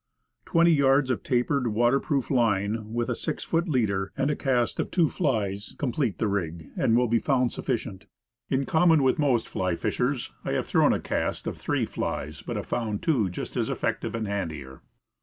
Twenty yards of tapered, water proof line, with a six foot leader, and a cast of two flies, complete the rig, and will be found sufficient. In common with most fly fishers, I have mostly thrown a cast of three flies, but have found two just as effective, and handier.